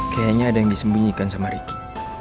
kayaknya ada yang disembunyikan sama ricky